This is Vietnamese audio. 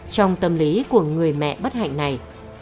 trong tâm lý của người mẹ bất hạnh này